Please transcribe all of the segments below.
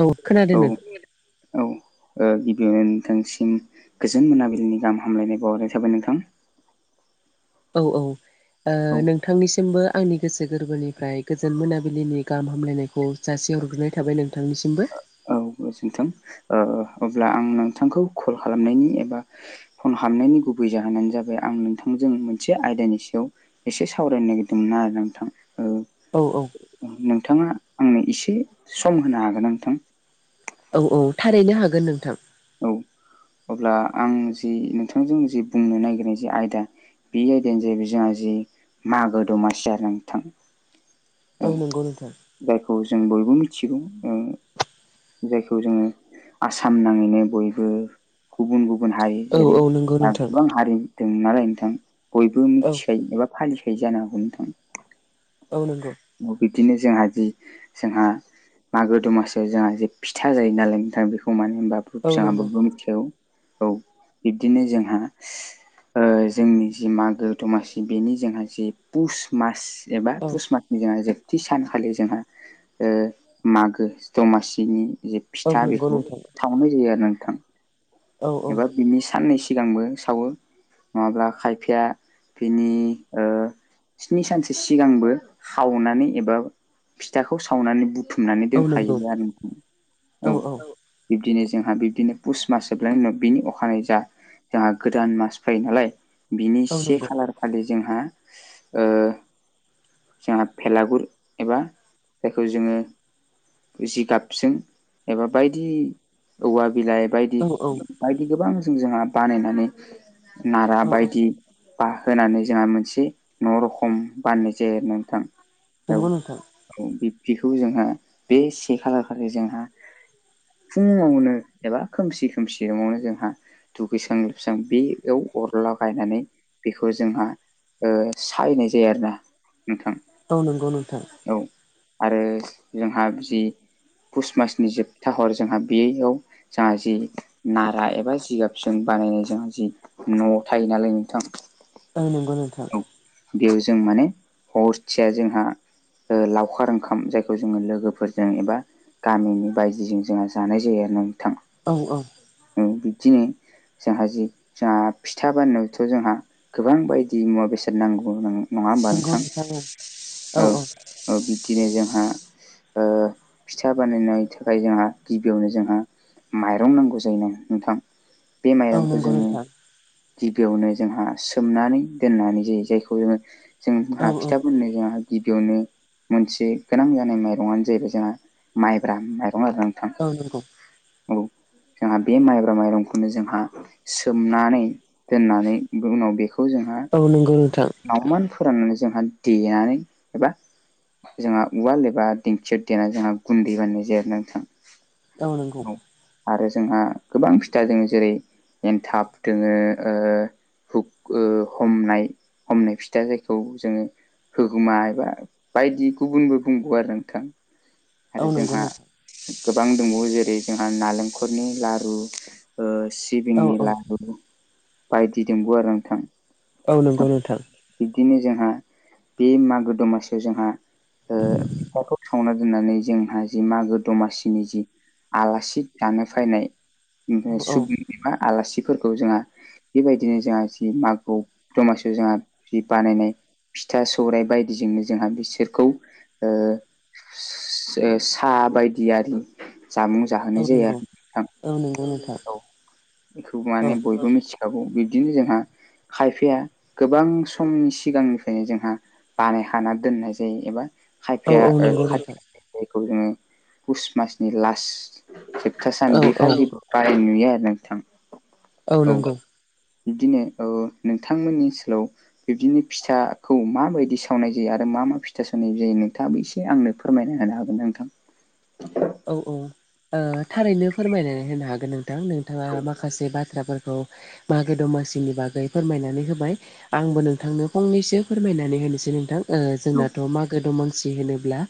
औ खोनादों औ, नों औ ओ गिबियावनो नोंथांसिम गोजोन मोनाबिलिनि गाहाम हामलायनाय बावहरनाय थाबाय नोंथां। औ औ। ओ औ नोंथांनिसिमबो आंनि गोसो गोरबोनिफ्राय गोजोन मोनाबिलिनि गाहाम हामलायनायखौ जासे हरग्रोनाय थाबाय नोंथांनिसिमबो। जोन्थों ओ अब्ला आं नोंथांखौ कल खालामनायनि एबा फन हाबनायनि गुबै जाहोनानो जाबाय आं नोंथांजों मोनसे आयदानि सायाव एसे सावरायनो नागिरदोंमोन आरो नोंथां ओ औ औ नोंथाङा आंनो एसे सम होनो हागोना नोंथां? औ औ थारैनो हागोना नोंथां। औ अब्ला आं जि नोंथांजों जि बुंनो नागिरनाय जि आयदा बे आयदायानो जाहैबाय जोंहा जि मागो दमासि आरो नोंथां। औ नंगौ नोंथां। जायखौ जों बयबो मिथिगौ जों। जायखौ जोङो आसाम नाङैनो बयबो गुबुन गुबुन हारि औ जेरै औ नंगौ नोंथां गोबां हारि दं नालाय नोंथां। बयबो औ मिथिखायो एबा फालिखायो जानो हागौ नोंथां। औ नंगौ। औ बिदिनो जोंहा जि जोंहा मागो दमासियाव जोंहा जे फिथा जायो नालाय नोंथां बेखौ मानो होनबा औ जोंहा नंगौ बयबो मिथिगौ। औ बिब्दिनो जोंहा ओ जोंनि जि मागो दमासि बेनि जोंहा जि पुस मास एबा औ पुस मा जोंहा जोबथि सानखालि जोंहा मागो ओ दमासिनि औ फिथा नंगौ बेखौ नोंथां सावनाय जायो आरोना नोंथां। औ औ। एबा बिनि साननै सिगांबो सावो नङाब्ला खायफाया बिनि ओ स्नि सानसो सिगांबो खावनानै एबा फिथाखौ सावनानै बु थुमनानै औ दोनखायो नंगौ आरो‌ औ बिब्दिनो जोंहा बिब्दिनो पुस मास उनाव बिनि अखानायै जा जोंहा गोदान मास फायो नालाय बिनि औ से नंगौ खालार खालि जोंहा ओ जोंहा भेलागुर एबा जायखौ जोङो जिगाबजों एबा बायदि औवा बिलाइ बायदि औ औ बायदि गोबां जों जोंहा बानायनानै नारा बायदि बा होनानै जोंहा मोनसे न'रखम बानाय नाय जायो आरो ना नोंथां। औ नोंगौ नोंथां। औ बिबदिखौ जोंहा बे से खालार खालि जोंहा फुङावनो एबा खोमसि खोमसियावनो जोंहा दुगैस्रां लोबस्रां बेयाव अरला गायनानै बेखौ जोंहा ओ सायनाय जाया आरो ना नोंथां। औ नंगौ नोंथां औ आरो जोंहा जि पुस मासनि जोबथा हर जोंहा बेयाव जोंहा जि नारा एबा जिगाबजों बानायनाय जोंहा जि न' थायो नालाय नोंथां आं नंगौ नोंथां औ बेयाव जों माने हरसेया जोंहा ओ लावखार ओंखाम जायखौ जोङो लोगोफोरजों एबा गामिनि बायजिजों जोंहा जानाय जायो आरोना नोंथां। औ औ। औ बिबदिनो जोंहा जि जोंहा फिथा बानायनायावथ' जोंहा गोबां बाय दि मुवा बेसाद नांगौ नं नङा होनबा नोंथां औ। औ बिबदिनो जोंहा ओ फिथा बानायनाय थाखाय जोंहा गिबियावनो जोंहा माइरं नांगौ जायोना नोंथां। बे औ माइरंखौ नंगौ जोङो नोंथां गिबियावनो जोंहा सोमनानै दोननानै जायो जायखौ जोङो जों औ हा औ फिथा बनायनो जोहा गिबियावनो मोनसे गोनां जानाय माइरंआनो जाहैबाय जोंहा माइब्रा माइरं आरो। नोंथां औ नंगौ। औ जोंहा बे माइब्रा माइरंखौनो जोंहा सोमनानै दोननानै उनाव बेखौ जों औ नोंगौ नोंथां। नावमान फोराननानै जोंहा देनानै एबा जोंहा उवाल एबा दिंखियाव देना जोंहा गुन्दै बानायनाय जायो आरोना नोंथां औ। आरो जोंहा गोबां फिथा दोङो जेरै एन्थाब दोङो ओ हुफ ओ हमनाय हमनाय फिथा जायखौ जोङो होगुमा एबा बायदि गुबुनबो बुंगो आरो नोंथां औ आरो नंगौ जोंहा नोंथां गोबां दोंबावो जेरै जोंहा नालेंखलनि लारु ओ सि औ सिबिंनि औ लारु बायदि दिंबावो आरो नोंथां। औ नंगौ नोंथां। बिब्दिनो जोंहा बे मागो दमासिआव जोंहा ओ फिथाखौ थावना दोननानै जोंहा थि मागो दमासिनि जि आलासि दानो फैनाय औ ओमफाय औ सुबि एबा आलासिफोरखौ जोंहा बेबायदिनो जोंहा जि मागोव दमासिआव जोंहा जि बानायनाय फिथा सौराइ बायदिजोंनो जोंहा बिसोरखौ ओ सा बायदि आरि जामुं औ जाहोनाय जायो नंगौ आरो नोंथां औ नंगौ नोंथां औ बेखौ औ माने बयबो मिथि औ बिब्दिनो जोंहा खायफाया गोबां समनि सिगांनिफ्रायनो जोंहा बानाय खाना दोननाय जायो एबा औ खायफाया औ ओ नंगौ खा नोंथां जायखौ जोङो पुस मासनि लास्ट जोबथा सान औ बे औ खालि गाहाय नुयो आरो नोंथां औ बिदिनो औ। नोंथांमोननि ओनसोलाव बिब्दिनो फिथाखौ माबादि सावनाय जायो आरो मा मा फिथा सावनाय जायो नोंथाङाबो एसे आंनो फोरमायना होनो हागोन ना नोंथां? औ औ ओ थारैनो फोरमायनानै होनो हागोन नों थां नोंथाङा माखासे बाथ्राफोरखौ मागो दमासिनि बागै फोरमायनानै होबाय। आंबो नोंथांनो फंनैसो फोरमायनानै होनोसै नोंथां। ओ जोंनाथ' मागो दमासि होनोब्ला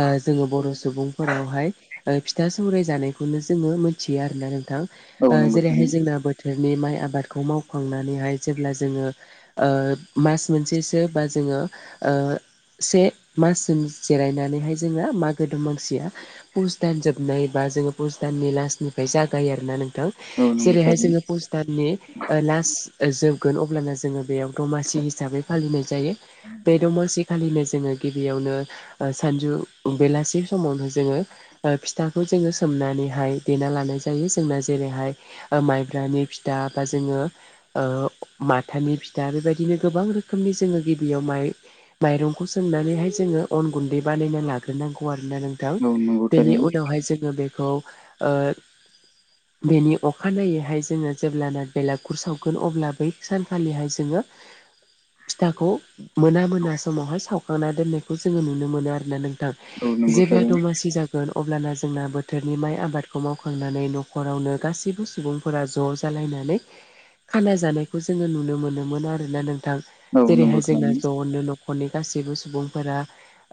ओ जोङो बर' सुबुंफोरावहाय ओ फिथा सौराय जानायखौनो जोङो मोनथियो आरोना नोंथां औ ओ नंगौ जेरैहाय थारैनो जोंना बो थोरनि माइ आबादखौ मावखांनानैहाय जेब्ला जोङो ओ मास मोनसेसो बा जोङो ओ से माससिम जिरायनानैहाय जोङो मागो दमासिया पुस दान जोबनाय बा जोङो पुस दाननि लास्टनिफ्राय जागायो आरोना नोंथां औ नंगौ जेरैहाय थारैनो जोङो पुस दाननि ओ लास जोबगोन अब्लाना जोङो बेयाव दमासि हिसाबै फालिनाय जायो बे दमासि खालिनो जोङो गिबियावनो ओ सानजु बेलासि समावनो जोङो ओ फिथाखौ जोङो सोमनानैहाय देना लानाय जायो जोंना जेरैहाय माइब्रानि फिथा बा जोङो ओ माथानि फिथा बेबायदिनो गोबां रोखोमनि जोङो गिबियाव माइ माइरंखौ सोमनानैहाय जोङो अन गुन्दै बानायना लाग्रोनांगौ आरोना नों औ नंगौ थारैनो बेहाय जोङो बेखौ ओ [inaudible] बेनि अखानायनायैहाय जोङो जेब्लाना बेलागुर सावगोन अब्ला बै सानखालिहाय जोङो [inaudible] फिथाखौ मोना मोना समावहाय सावखांना दोननायखौ जोङो नुनो मोनो आरोना नोंथां औ नंगौ जेब्ला थारैनो दमासि जा अब्लाना जोंना बोथोरनि माइ आबादखौ मावखांनानै न'खरावनो गासैबो सुबुं फोरा ज' जालायनानै खाना जानायखौ जोङो नुनो मोनोमोन आरोना नोंथां औ जेरैहाय नंगौ जोंना थारैनो ज'नो न'खर नखरनि गासैबो सुबुंफोरा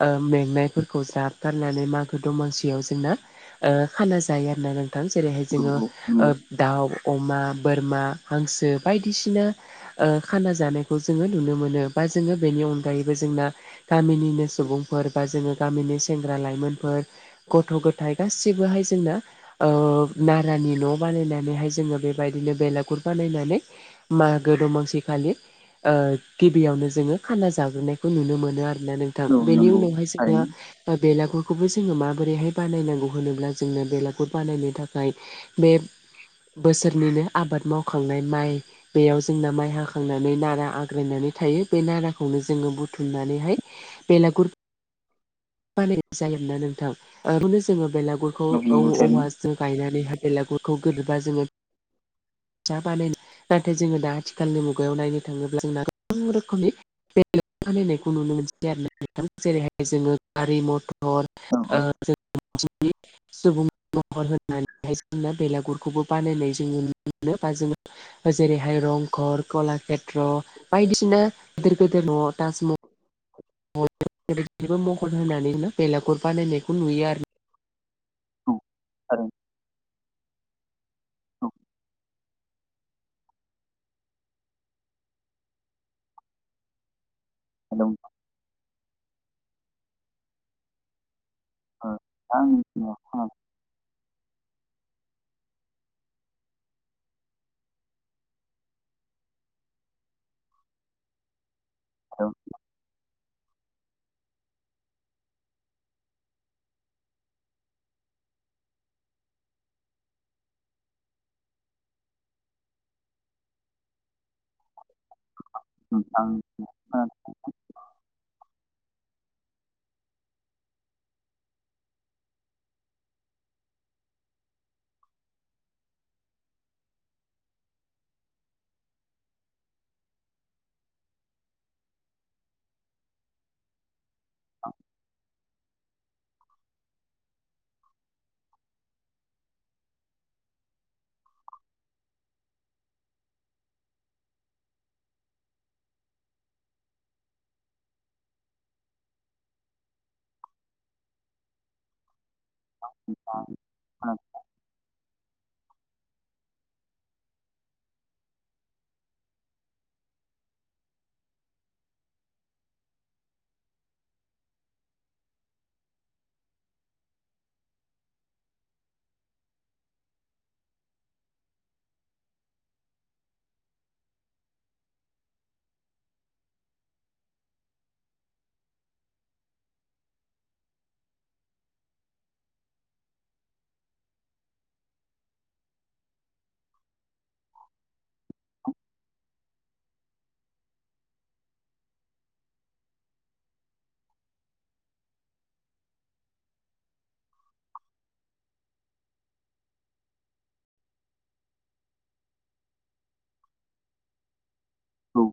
ओ मेंनायफोरखौ ज्राब गारनानै मागो दमसियाव जोंना ओ खाना जायो आरोना नोंथां जेरैहाय औ जोङो ओ नंगौ दाउ अमा बोरमा हांसो बायदिसिना ओ खाना जानायखौ जोङो नुनो मोनो बा जोङो बेनि अनगायैबो जोंना गामिनिनो सुबुंफोर बा जोङो गामिनि सेंग्रा लाइमोनफोर गथ' गथाइ गासिबोहाय जोंना ओ नारानि न' बानायनानैहाय जोङो बेबायदिनो बेलागुर बानायनानै मागो दमासि खालि ओ गिबियावनो जोङो खाना जाग्रोनायखौ नुनो मोनो आरोना नों थां औ बेनि नंगौ उनावहाय थारैनो जोङो बेलागुरखौबो जोङो माबोरैहाय बानायनांगौ होनोब्ला जोंनो बेलागुर बानायनो थाखाय बे बोसोरनिनो आबाद मावखांनाय माइ बेयाव जोंना माइ हाखांनानै नारा आग्रायनानै थायो बे नाराखौनो जोङो बुथुमनानैहाय बेलागुर बानायनाय जायोना नों थां बेखौनो जोङो बेलागुरखौ औ नंगौ थारैनो औवाजों गायनानैहाय बेलागुरखौ गोदोबा जोङो फसा बानाय नाथाय जोङो दा आथिखालनि मुगायाव नायनो थाङोब्ला जोंना गोबां रोखोमनि बे फानायनायखौ नुनो मोनसै आरोना नोंथां जेरैहाय जोङो गारि मथर औ ओ सुबुं महर होननानैहाय जोंना बेलागुरखौबो बानायनाय जोङो नुनो मोनो बा जोङो जेरैहाय रंघर कलाषेत्र बायदिसिना गिदिर गिदिर न' ताजमहल‌ महर होनानैनो बेलागुर बानायनायखौ नुयो आरो औ औ हेलौ नोंथां [unintelligible] औ [unintelligible] [inaudible] औ औ